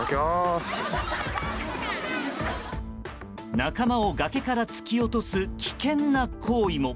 仲間を崖から突き落とす危険な行為も。